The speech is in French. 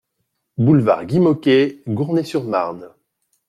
Boulevard Guy Môquet, Gournay-sur-Marne